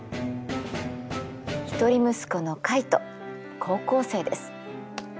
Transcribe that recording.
一人息子のカイト高校生です。